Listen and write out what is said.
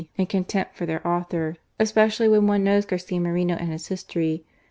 and contempt for their author, especially when one knows Garcia Moreno and his history.